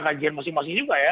kajian masing masing juga ya